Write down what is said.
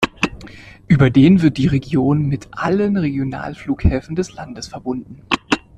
Über den wird die Region mit allen Regionalflughäfen des Landes verbunden.